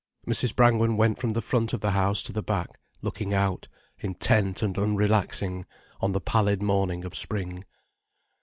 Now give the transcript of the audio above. Mrs. Brangwen went from the front of the house to the back, looking out, intent and unrelaxing, on the pallid morning of spring.